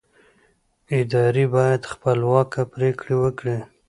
ادارې باید خپلواکه پرېکړې وکړي